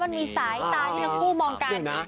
มันมีสายตาที่ทั้งคู่มองกัน